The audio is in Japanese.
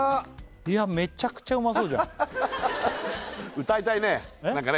いやめちゃくちゃうまそうじゃん何かね